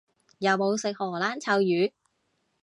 有冇食荷蘭臭魚？